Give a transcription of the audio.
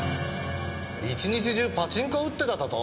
一日中パチンコを打ってただと？